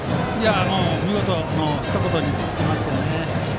見事のひと言に尽きますね。